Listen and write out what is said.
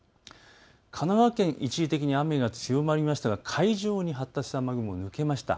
神奈川県、一時的に雨が強まりましたが海上に発達した雨雲、抜けました。